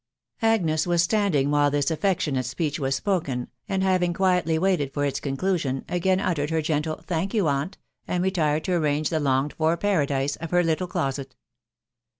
Agnes was standing while this affectionate speech was spoken, and basing quietly waited for its conclusioiv again, uttered her gentle " thank you, aunt," and retired to assume the longed for paradise of her little closet